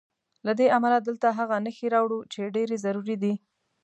له دې امله دلته هغه نښې راوړو چې ډېرې ضروري دي.